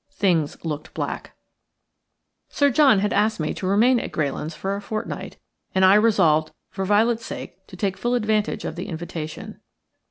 Things looked black. Sir John had asked me to remain at Greylands for a fortnight, and I resolved for Violet's sake to take full advantage of the invitation.